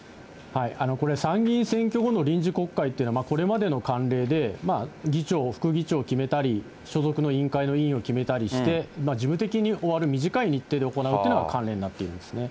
これ、参議院選挙後の臨時国会というのは、これまでの慣例で、議長、副議長を決めたり、所属の委員会の委員を決めたりして、事務的に終わる短い日程で行われるというのが慣例になっているんですね。